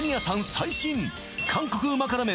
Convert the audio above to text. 最新韓国旨辛麺